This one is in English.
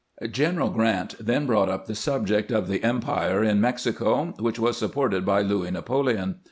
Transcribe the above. General Grant then brought up the subject of the empire in Mexico, which was supported by Louis Na poleon.